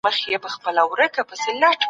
دیني اختلاف باید دښمني رامنځته نه کړي.